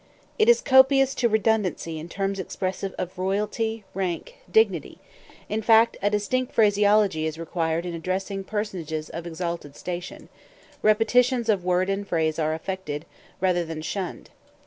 It is copious to redundancy in terms expressive of royalty, rank, dignity in fact, a distinct phraseology is required in addressing personages of exalted station; repetitions of word and phrase are affected, rather than shunned.